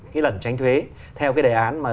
cái lần tranh thuế theo cái đề án mà